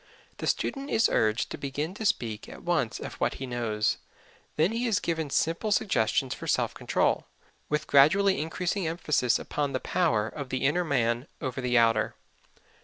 The student is urged to begin to speak at once of what he knows. Then he is given simple suggestions for self control, with gradually increasing emphasis upon the power of the inner man over the outer.